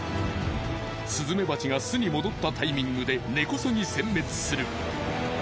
スズメバチが巣に戻ったタイミングで根こそぎせん滅する。